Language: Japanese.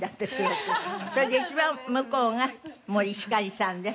それで一番向こうが森星さんです。